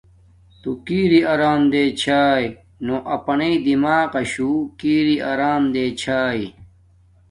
تو کی اری ارم ارے چھا نو اپانݵ دیماغ قاشو کی ری ارم دیں چھاݵ۔